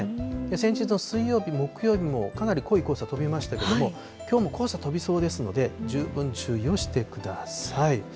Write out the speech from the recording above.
先日の水曜日、木曜日も、かなり濃い黄砂飛びましたけれども、きょうも黄砂飛びそうですので、十分注意をしてください。